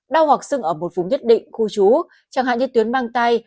đau hoặc sưng ở một vùng nhất định khu chú chẳng hạn như tuyến mang tay